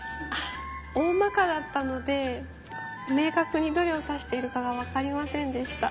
おおまかだったのでめいかくにどれをさしているかがわかりませんでした。